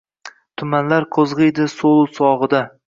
Tumanlar to‘zg‘iydi so‘lu sog‘ida.